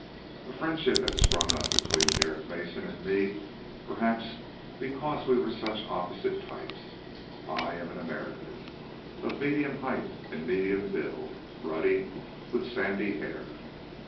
A friendship had sprung up between Derek Mason and me, perhaps because we were such opposite types! I am an American, of medium height, and medium build. Ruddy, with sandy hair.